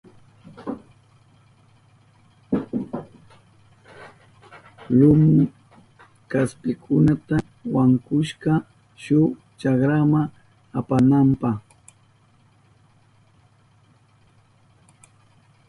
Lumu kaspikunata wankushka shuk chakrama apananpa.